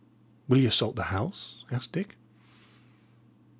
"Will ye assault the house?" asked Dick.